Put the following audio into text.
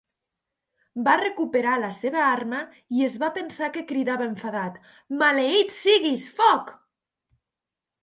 Va recuperar la seva arma i es va pensar que cridava enfadat Maleït siguis, foc!